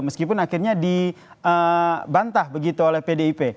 meskipun akhirnya dibantah begitu oleh pdip